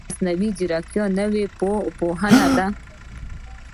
مصنوعي ځیرکتیا نوې پوهنه ده